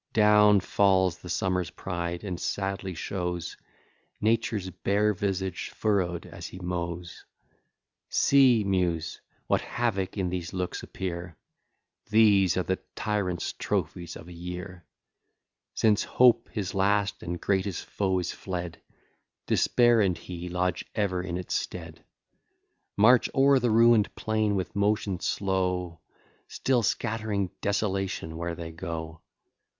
Down falls the summer's pride, and sadly shows Nature's bare visage furrow'd as he mows: See, Muse, what havoc in these looks appear, These are the tyrant's trophies of a year; Since hope his last and greatest foe is fled, Despair and he lodge ever in its stead; March o'er the ruin'd plain with motion slow, Still scattering desolation where they go.